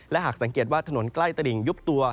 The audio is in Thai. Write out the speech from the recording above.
และหากสังเกตว่าถนนใกล้ตลิ่งยุบตัว